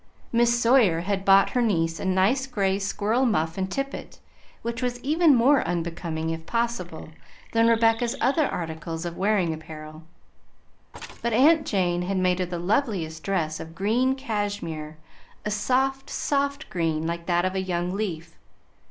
Miss Sawyer had bought her niece a nice gray squirrel muff and tippet, which was even more unbecoming if possible, than Rebecca's other articles of wearing apparel; but aunt Jane had made her the loveliest dress of green cashmere, a soft, soft green like that of a young leaf.